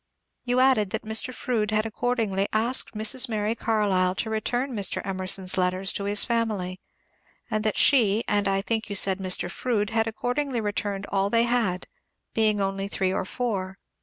Yon added that Mr. Froude had accordingly asked Mrs. Mary Carlyle to return Mr. Emerson's letters to his family, and that she, and I think you said Mr. Froude, had accordingly returned all they had, being only three or four.